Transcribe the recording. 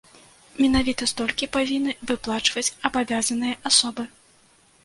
Менавіта столькі павінны выплачваць абавязаныя асобы.